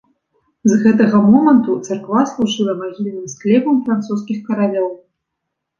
З гэтага моманту царква служыла магільным склепам французскіх каралёў.